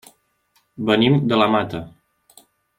Venim de la Mata.